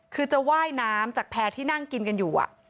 คือจะว่ายน้ำจากแพร่ที่นั่งกินกันอยู่